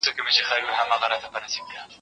زه به سبا د هنرونو تمرين وکړم،